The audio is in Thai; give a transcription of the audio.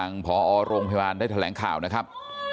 ทางผอโรงพยาบาลได้แถลงข่าวนะครับ